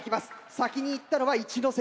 先に行ったのは一関。